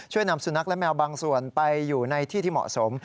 นำสุนัขและแมวบางส่วนไปอยู่ในที่ที่เหมาะสม